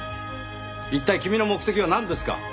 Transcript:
一体君の目的はなんですか？